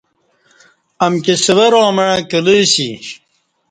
امکی سوراں مع کلہ اسی